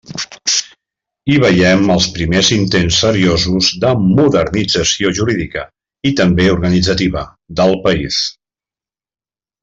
Hi veiem els primers intents seriosos de modernització jurídica, i també organitzativa, del país.